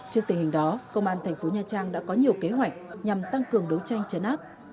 trước tình hình đó công an thành phố nha trang đã có nhiều kế hoạch nhằm tăng cường đấu tranh chấn áp